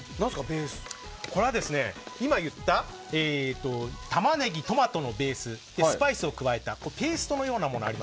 これは今言ったタマネギ、トマトのベースにスパイスを加えたペーストのようなもの。